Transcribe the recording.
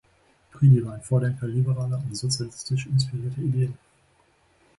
Pridi war ein Vordenker liberaler und sozialistisch inspirierter Ideen.